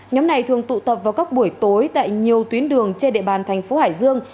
nhóm này thường tụ tập vào các buổi tối tại nhiều tuyến đường trên địa bàn thành phố hải dương